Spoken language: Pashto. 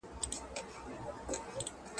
ډیپلوماټیک استازي د ولسونو ږغ په غونډو کي رسوي.